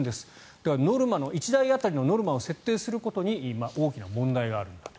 だから１台当たりのノルマを設定することに大きな問題があるんだと。